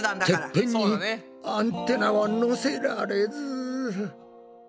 てっぺんにアンテナはのせられず。